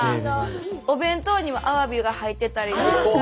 お弁当にもアワビが入ってたりとか。